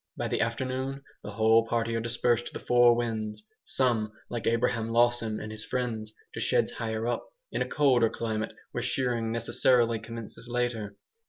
By the afternoon the whole party are dispersed to the four winds; some, like Abraham Lawson and his friends, to sheds "higher up," in a colder climate, where shearing necessarily commences later.